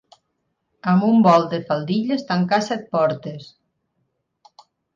Amb un vol de faldilles tancar set portes.